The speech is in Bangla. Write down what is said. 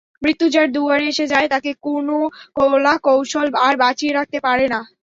মৃত্যু যার দুয়ারে এসে যায় তাকে কোন কলাকৌশল আর বাঁচিয়ে রাখতে পারে না।